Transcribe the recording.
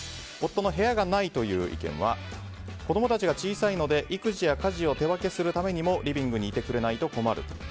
夫の部屋がないという意見は子供たちが小さいので育児や家事を手分けするためにもリビングにいてくれないと困る。